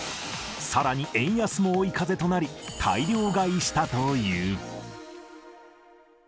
さらに円安も追い風となり、大量買いしたという。